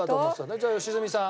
じゃあ良純さん。